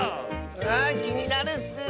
あきになるッス。